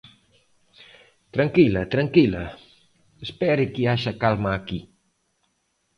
Tranquila, tranquila, espere que haxa calma aquí.